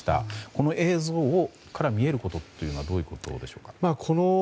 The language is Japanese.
この映像から見えることというのはどういうことでしょうか。